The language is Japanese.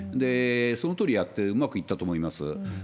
そのとおりやってうまくいったと思います。